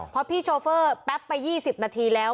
พอพี่โชเฟอร์แป๊บไป๒๐นาทีแล้ว